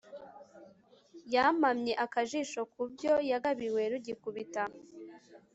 yamamye akajisho ku byo yagabiwe rugikubita